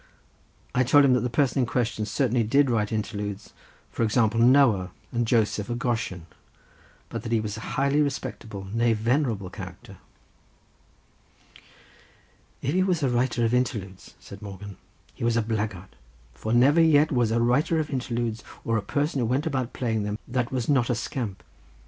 I told him that the person in question certainly did write Interludes, for example Noah, and Joseph at Goshen, but that he was a highly respectable, nay venerable character. "If he was a writer of Interludes," said Morgan, "he was a blackguard; there never yet was a writer of Interludes, or a person who went about playing them, that was not a scamp.